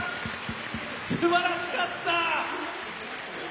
すばらしかった！